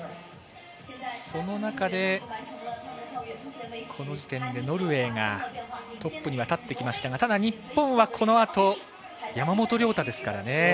その中でこの時点でノルウェーがトップに立ってきましたがただ、日本はこのあと山本涼太ですから。